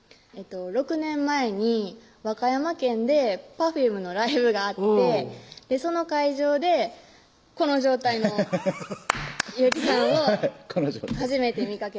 ６年前に和歌山県でＰｅｒｆｕｍｅのライブがあってその会場でこの状態の雄希さんを初めて見かけたんです